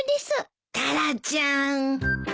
タラちゃん。